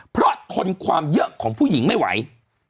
เพราะทนความเยอะของผู้หญิงไม่ไหว